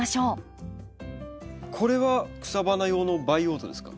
これは草花用の培養土ですか？